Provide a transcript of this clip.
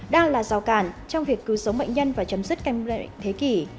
đang là rào cản trong việc cứu sống mệnh nhân và chấm dứt căn mệnh thế kỷ